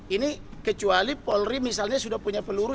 ini kecuali polri misalnya sudah punya peluru